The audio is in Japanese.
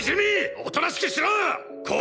おとなしくしろッ！！